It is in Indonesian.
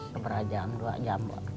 sebera jam dua jam mbak